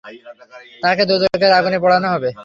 তাকে দোযখের আগুনে পোড়ানো হবে।